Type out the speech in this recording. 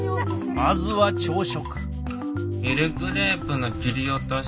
まずは朝食。